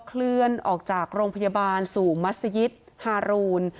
เคลื่อนออกจากโรงพยาบาลสู่มัศยิตฮารูน